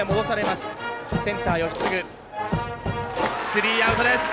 スリーアウトです。